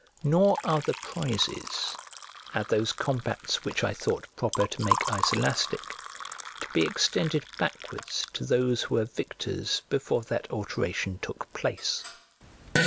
Nor are the prizes, at those combats which I thought proper to make Iselastic, to be extended backwards to those who were victors before that alteration took place.